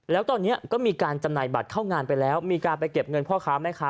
แล้วตอนนี้ก็มีการจำหน่ายบัตรเข้างานไปแล้วมีการไปเก็บเงินพ่อค้าแม่ค้า